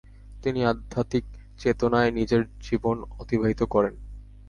তিনি আধ্যাত্মিক চেতনায় নিজের জীবন অতিবাহিত করেন।